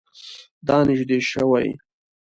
دا نژدې شوی؟